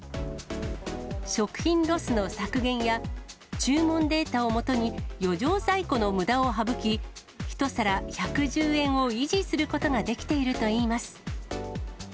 食品ロスの削減や、注文データをもとに余剰在庫のむだを省き、１皿１１０円を維持することができているといいます。